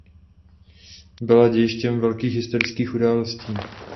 Byla dějištěm velkých historických událostí.